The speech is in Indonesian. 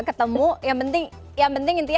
ketemu yang penting intinya